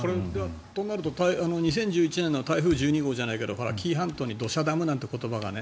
となると２０１１年の台風１２号じゃないけど紀伊半島に土砂ダムなんていう言葉が。